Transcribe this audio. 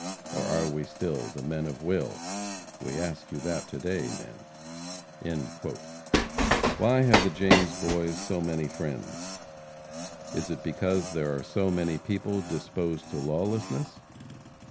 Or are we still, The men of will? We ask you that to day, men!" Why have the James Boys so many friends? Is it because there are so many people disposed to lawlessness?